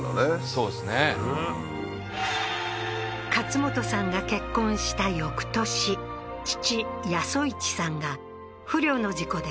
そうですね勝元さんが結婚した翌年父八十一さんが不慮の事故で